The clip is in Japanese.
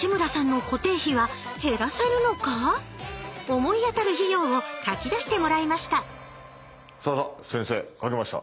思い当たる費用を書き出してもらいましたさあ先生書きました。